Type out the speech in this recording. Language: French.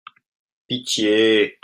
Pitié !